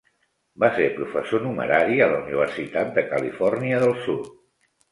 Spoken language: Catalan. Va ser professor numerari a la Universitat de Califòrnia del Sud.